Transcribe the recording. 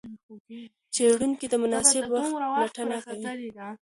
څېړونکي د مناسب وخت پلټنه کوي.